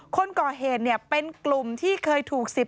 คนก่อเหตุเป็นกลุ่มที่เคยถูกสิบ